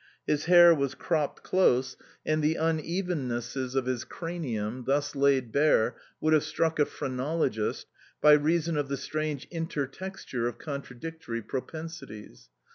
His hair was cropped close, and the unevennesses of his cranium, thus laid bare, would have struck a phrenologist by reason of the strange intertexture of contradictory propensities.